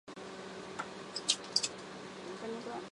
局长在常务副局长的协助下领导芝加哥警察局。